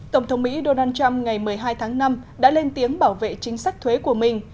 tổng thống mỹ donald trump ngày một mươi hai tháng năm đã lên tiếng bảo vệ chính sách thuế của mình